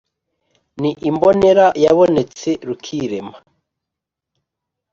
ni imbonera yabonetse rukirema;